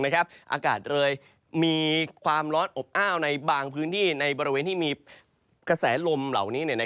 อากาศเลยมีความร้อนอบอ้าวในบางพื้นที่ในบริเวณที่มีกระแสลมเหล่านี้